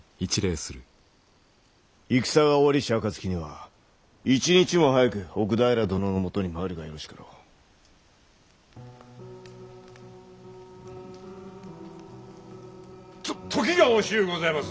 戦が終わりし暁には一日も早く奥平殿のもとに参るがよろしかろう。と時が惜しゅうございます。